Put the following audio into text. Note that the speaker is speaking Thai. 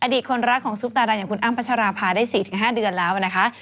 คนรักของซุปตาดันอย่างคุณอ้ำพัชราภาได้๔๕เดือนแล้วนะคะ